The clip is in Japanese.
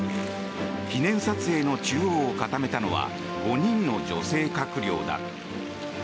記念撮影の中央を固めたのは５人の女性閣僚だ。